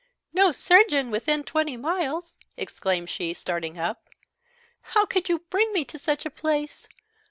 "No surgeon within twenty miles!" exclaimed she, starting up. "How could you bring me to such a place?